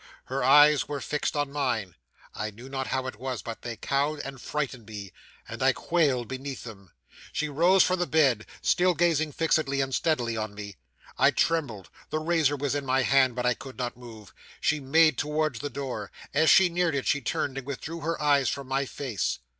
Her eyes were fixed on mine. I knew not how it was, but they cowed and frightened me; and I quailed beneath them. She rose from the bed, still gazing fixedly and steadily on me. I trembled; the razor was in my hand, but I could not move. She made towards the door. As she neared it, she turned, and withdrew her eyes from my face.